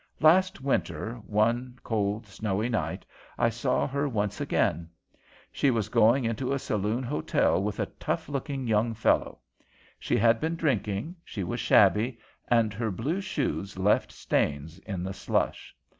Last winter, one cold, snowy night, I saw her once again. She was going into a saloon hotel with a tough looking young fellow. She had been drinking, she was shabby, and her blue shoes left stains in the slush.